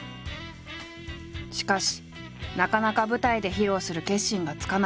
しかしなかなか舞台で披露する決心がつかなかった。